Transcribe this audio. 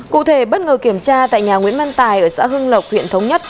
cụ thể bất ngờ kiểm tra tại nhà nguyễn văn tài ở xã hưng lộc huyện thống nhất